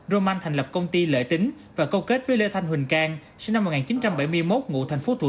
roman thành lập công ty lợi tính và câu kết với lê thanh huỳnh cang sinh năm một nghìn chín trăm bảy mươi một ngụ thành phố thủ